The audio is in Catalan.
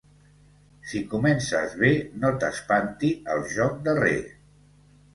Si comences bé no t'espanti el joc darrer.